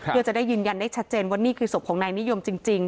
เพื่อจะได้ยืนยันได้ชัดเจนว่านี่คือศพของนายนิยมจริง